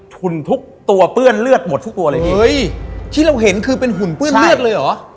หุ่นทุกตัวเปื้อนเลือดหมดทุกตัวเลยพี่เฮ้ยที่เราเห็นคือเป็นหุ่นเปื้อนเลือดเลยเหรอ